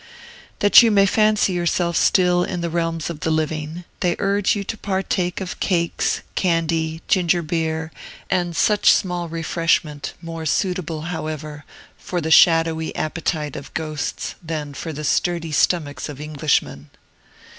That you may fancy yourself still in the realms of the living, they urge you to partake of cakes, candy, ginger beer, and such small refreshment, more suitable, however, for the shadowy appetite of ghosts than for the sturdy stomachs of Englishmen.